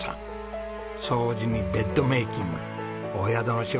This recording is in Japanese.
掃除にベッドメイキングお宿の仕事増えましたね。